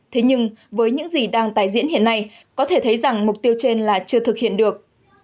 thế nhưng với những gì đang tài diễn hiện nay có thể thấy rằng mục tiêu trên là chưa thực hiện được